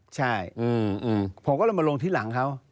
ใช่ผมก็เลยมาลงที่หลังเขา